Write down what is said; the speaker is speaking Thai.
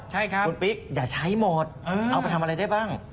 ใช่ครับคุณปิ๊กอย่าใช้หมดเอาไปทำอะไรได้บ้าง